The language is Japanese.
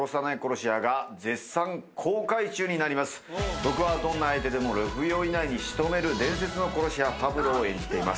僕はどんな相手でも６秒以内に仕留める伝説の殺し屋・ファブルを演じています。